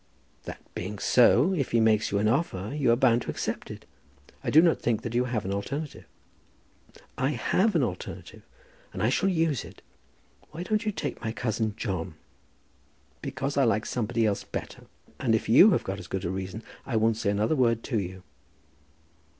"That being so, if he makes you an offer you are bound to accept it. I do not think that you have an alternative." "I have an alternative, and I shall use it. Why don't you take my cousin John?" "Because I like somebody else better. If you have got as good a reason I won't say another word to you."